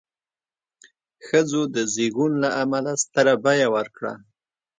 ښځو د زېږون له امله ستره بیه ورکړه.